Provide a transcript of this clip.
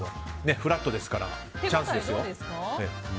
フラットですからチャンスですよ。